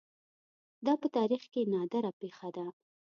دا په تاریخ کې نادره پېښه ده